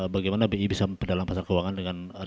bagaimana bi bisa berdalam pasar keuangan dengan